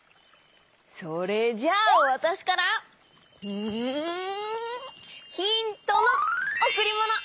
それじゃあわたしからうんヒントのおくりもの！